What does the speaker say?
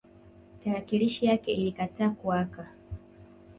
Tarakilishi yake ilikataa kuwaka